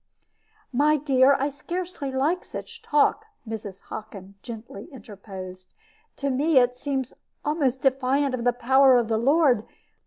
"My dear, I scarcely like such talk," Mrs. Hockin gently interposed. "To me it seems almost defiant of the power of the Lord.